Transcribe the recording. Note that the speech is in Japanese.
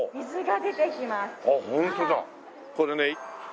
これね